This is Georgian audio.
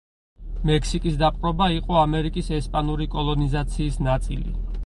მექსიკის დაპყრობა იყო ამერიკის ესპანური კოლონიზაციის ნაწილი.